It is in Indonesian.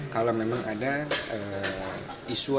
kalau memang ada isu atau penyelenggaraan